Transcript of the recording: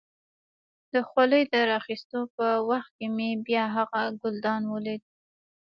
د خولۍ د را اخيستو په وخت کې مې بیا هغه ګلدان ولید.